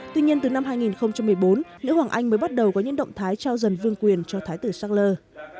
tuy nhiên từ năm hai nghìn một mươi bốn lữ hoàng anh mới bắt đầu có những động thái trao dần vương quyền cho thái tử shackler